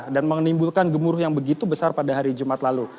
dan menimbulkan gemuruh yang begitu besar pada hari jumat lalu